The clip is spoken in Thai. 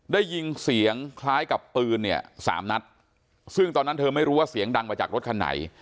ได้ยินเสียงคล้ายกับปืนเนี่ยสามนัดซึ่งตอนนั้นเธอไม่รู้ว่าเสียงดังมาจากรถคันไหน